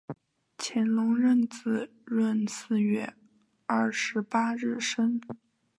乾隆壬子闰四月二十八日生。